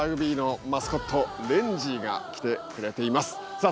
さあ